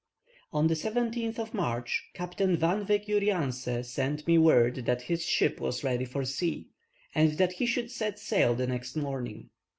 On the 17th of March, Captain Van Wyk Jurianse sent me word that his ship was ready for sea, and that he should set sail the next morning.